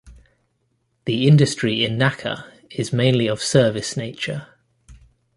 The industry in Nacka is mainly of service nature.